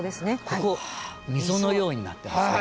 ここ溝のようになってますね。